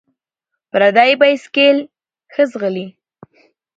ـ پردى بايسکل ښه ځغلي.